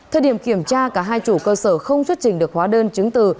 thời điểm kiểm tra cả hai chủ cơ sở không xuất trình được hóa đơn chứng từ